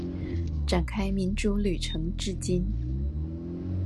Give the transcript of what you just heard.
展開民主旅程至今